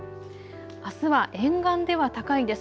あすは沿岸では高いです。